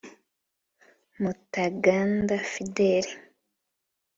Mutaganda Fidèle